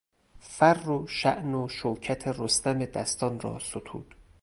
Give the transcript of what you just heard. فر و شأن و شوکت رستم دستان را ستود.